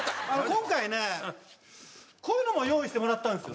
今回ねこういうのも用意してもらったんですよ。